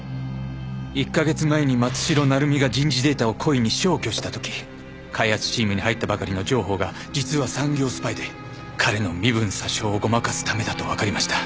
１カ月前に松代成実が人事データを故意に消去した時開発チームに入ったばかりの城宝が実は産業スパイで彼の身分詐称をごまかすためだとわかりました。